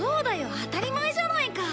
当たり前じゃないか。